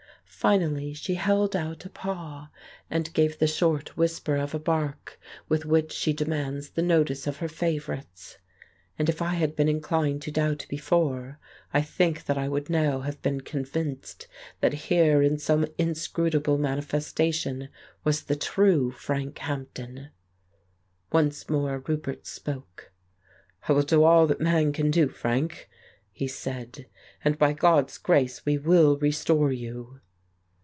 Finally she held out a paw, and gave the short whisper of a bark with which she demands the notice of her favourites. ... And if I had been inclined to doubt before, I think that I would now have been convinced that here in some inscrutable manifestation was the true Frank Hampden. Once more Roupert spoke. "I will do all that man can do, Frank," he said, "and by God's grace we will restore you."